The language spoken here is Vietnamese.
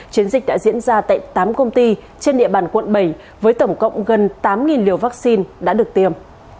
chiến dịch đã diễn ra tại tám công ty trên địa bàn quận bảy với tổng cộng gần tám liều vaccine đã được tiêm